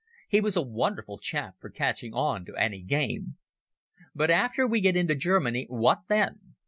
He was a wonderful chap for catching on to any game.) "But after we get into Germany, what then?